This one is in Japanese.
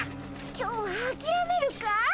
今日はあきらめるかい？